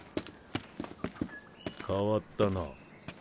変わったな。